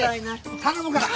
頼むから。